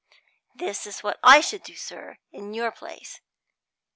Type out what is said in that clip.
This is what I should do, sir, in your place.